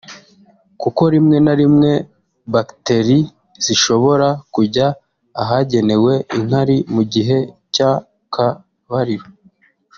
kuko rimwe na rimwe bacteri zishobora kujya ahagenewe inkari mu gihe cy’akabariro